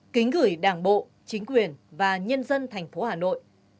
kính gửi đảng bộ chính quyền và nhân dân tp hà nội